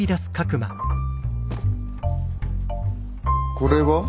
これは？